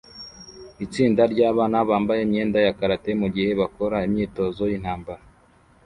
Itsinda ryabana bambaye imyenda ya karate mugihe bakora imyitozo yintambara